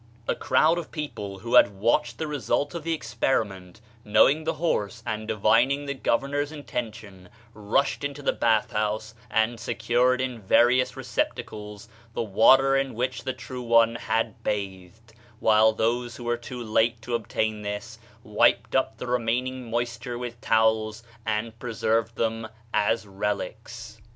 A crowd of people who had watched the re sult of the experiment, knowing the horse and divining the governor's intention, rushed into the bath house and secured in various recept acles the water in which the True One had bathed, while those who were too late to obtain this, wiped up the remaining moisture with towels, and preserved them as relics.